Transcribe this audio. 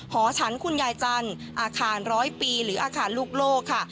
หอฉันคุณยายจันทร์อาคารร้อยปีหรืออาคารลูกโลกค่ะ